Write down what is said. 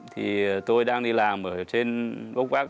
thì tôi đang đi làm ở trên bốc vác